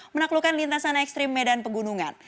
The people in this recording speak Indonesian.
menaklukkan lintasan ekstrim medan pegunungan